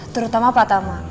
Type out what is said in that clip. terutama pak tama